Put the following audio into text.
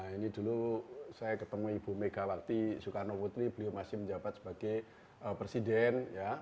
ini dulu saya ketemu ibu megawati soekarno putri beliau masih menjabat sebagai presiden